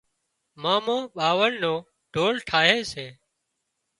مامو ٻاوۯ نو ڍول ٺاهي سي